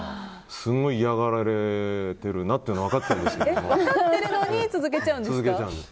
すごい嫌がられているなっていうのは分かっていますけど続けちゃいます。